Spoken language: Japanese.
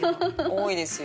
多いですよ